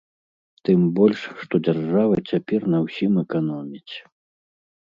Тым больш, што дзяржава цяпер на ўсім эканоміць.